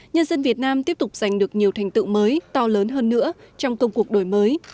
nhân dân việt nam tiếp tục giành được nhiều thành tựu mới to lớn hơn nữa trong công cuộc đổi mới